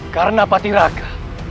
karena pak tiraga